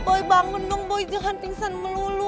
boy bangun dong boy jangan pingsan melulu